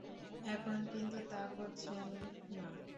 এখন কিন্তু তা করছেন না।